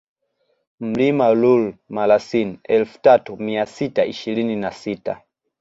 Mlima Lool Malasin elfu tatu mia sita ishirini na sita